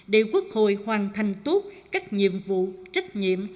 để quốc hội hoàn thành tốt các nhiệm vụ trách nhiệm